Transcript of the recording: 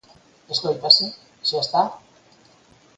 ¿Escóitase?, ¿xa está?